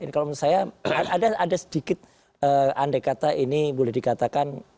kalau menurut saya ada sedikit andai kata ini boleh dikatakan